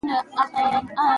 افغانستان د تاریخ کوربه دی.